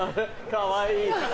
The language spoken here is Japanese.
かわいいね。